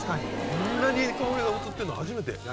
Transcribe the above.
こんなに香りが移ってるの初めて。